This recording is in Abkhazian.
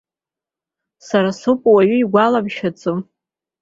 Сара соуп уаҩ игәаламшәаӡо.